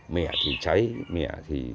mẻ thì cháy mẻ thì